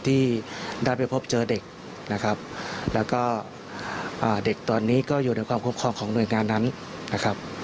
ที่ได้ไปพบเจอเด็กนะครับแล้วก็เด็กตอนนี้ก็อยู่ในความคุ้มครองของหน่วยงานนั้นนะครับ